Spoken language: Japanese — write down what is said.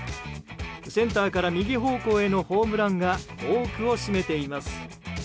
センターから右方向へのホームランが多くを占めています。